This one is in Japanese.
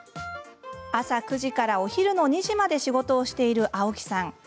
朝９時からお昼の２時まで仕事をしている青木さん。